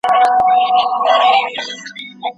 مغول کولای سي چي نبوري سیمې هم ونیسي.